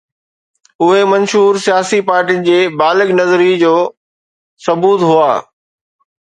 اهي منشور سياسي پارٽين جي بالغ نظري جو ثبوت هئا.